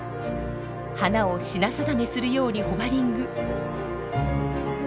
花を品定めするようにホバリング。